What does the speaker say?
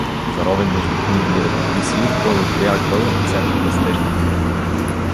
Заровен между книги и ръкописи, той отбягвал всякаква среща.